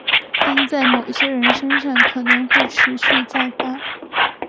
但在某些人身上可能会持续再发。